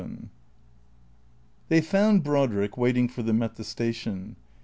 XXVII THEY found Brodriek waiting for them at the station.